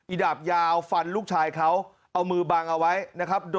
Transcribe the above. ดาบยาวฟันลูกชายเขาเอามือบังเอาไว้นะครับ